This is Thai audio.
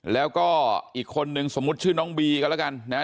แล้วก็อีกคนนึงสมมุติชื่อน้องบีก็แล้วกันนะฮะ